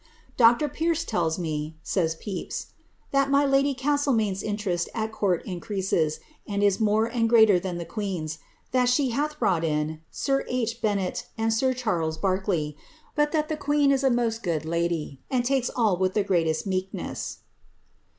^ Dr. Pierce tells me," says ^ that my lady Castlemaine's interest at court increases, and is ad greater than the queen's ; that she hath brought in sir H. Ben 1 sir Charles Barkeley ; but that the queen is a most good lady, .68 all with the greatest meekness."